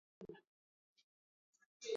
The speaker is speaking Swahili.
ni vizuri mami